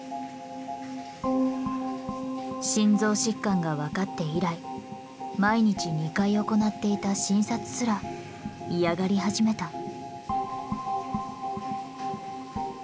心臓疾患が分かって以来毎日２回行っていた診察すら嫌がり始めた。